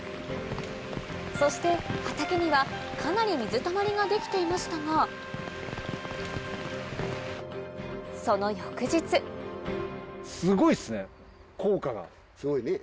そして畑にはかなり水たまりが出来ていましたがその翌日すごいねぇ。